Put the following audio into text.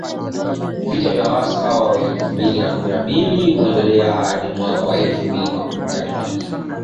Vita vya waasi hawa vilianza elfu mbili na kumi na mbili na kuendelea hadi mwaka elfu mbili na kumi na tatu baada ya kuvunjika kwa mkataba wa amani